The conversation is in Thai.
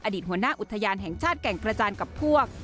หัวหน้าอุทยานแห่งชาติแก่งกระจานกับพวก